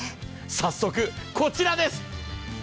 早速、こちらです！